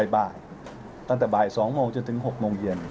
บ่ายตั้งแต่บ่าย๒โมงจนถึง๖โมงเย็น